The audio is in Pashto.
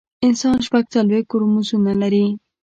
انسان شپږ څلوېښت کروموزومونه لري